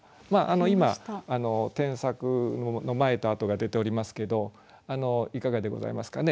今添削の前と後が出ておりますけどいかがでございますかね？